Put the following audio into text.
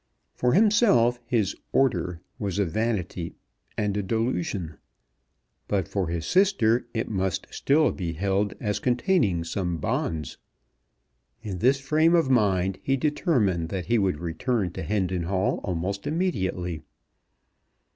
For himself his "order" was a vanity and a delusion; but for his sister it must still be held as containing some bonds. In this frame of mind he determined that he would return to Hendon Hall almost immediately.